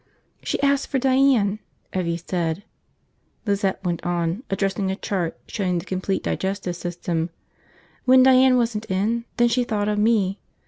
"She asked for Diane, Evvie said," Lizette went on, addressing a chart showing the complete digestive system. "When Diane wasn't in, then she thought of me.